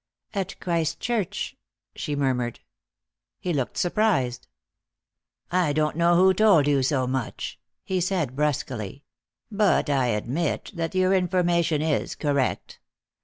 "At Christchurch?" she murmured. He looked surprised. "I don't know who told you so much," he said brusquely, "but I admit that your information is correct.